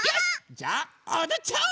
じゃあおどっちゃおう！